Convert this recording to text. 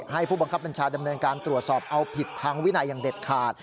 ผู้บังคับบัญชาดำเนินการตรวจสอบเอาผิดทางวินัยอย่างเด็ดขาด